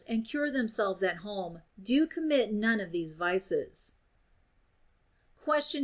and cure themselves at home do commit none of these vices. Question 41.